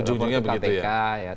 ujung ujungnya begitu ya